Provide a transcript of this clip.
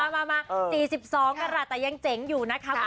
มา๔๒กันล่ะแต่ยังเจ๋งอยู่นะคะ